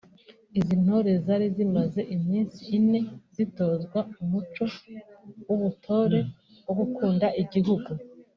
Izi ntore zari zimaze iminsi ine zitozwa umuco w’ubutore wo gukunda igihugu